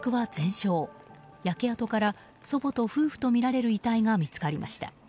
焼け跡から祖母と夫婦とみられる遺体が見つかりました。